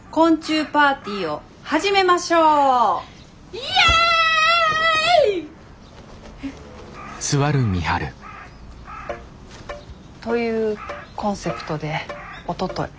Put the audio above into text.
イエイ！え？というコンセプトでおととい